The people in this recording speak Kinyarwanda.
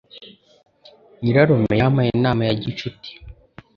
Nyirarume yampaye inama ya gicuti.